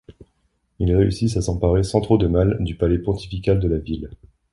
Ils réussissent à s'emparer sans trop de mal du palais pontifical de la ville.